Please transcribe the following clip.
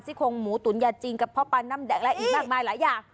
คงหมูตุ๋นยาจีนกับพ่อปลาน้ำแดงและอีกมากมายหลายอย่าง